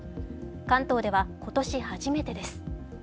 関東では今年初めてです。